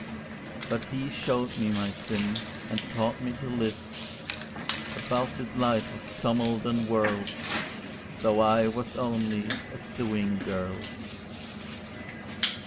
But he showed me my sin, and taught me to live, Above this life of tumult and whirl, Though I was only a sewing girl.